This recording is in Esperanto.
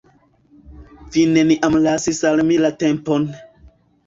Vi neniam lasis al mi la tempon.